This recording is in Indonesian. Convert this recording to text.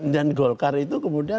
dan golkar itu kemudian